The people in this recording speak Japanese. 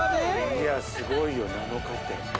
いやすごいよ７日って。